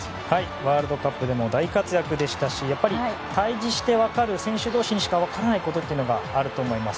ワールドカップでも大活躍でしたしやっぱり対峙して分かる選手同士しか分からないこともあると思います。